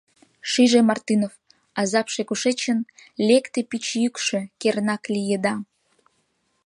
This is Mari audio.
Шиже Мартынов, азапше кушечын, Лекте пич йӱкшӧ: — Кернак, лиеда.